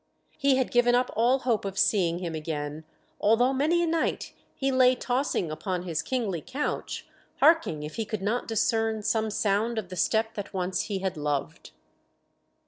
He had given up all hope of seeing him again, although many a night he lay tossing upon his kingly couch, harking if he could not discern some sound of the step that once he had loved.